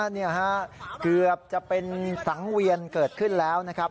นี่ฮะเกือบจะเป็นสังเวียนเกิดขึ้นแล้วนะครับ